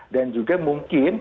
dan juga mungkin